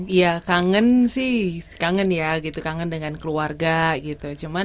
iya kangen sih kangen ya gitu kangen dengan keluarga gitu